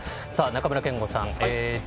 中村憲剛さん